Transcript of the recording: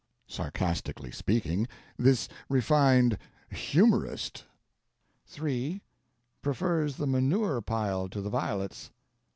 (Sarcastically speaking) "This refined humorist." 3. Prefers the manure pile to the violets.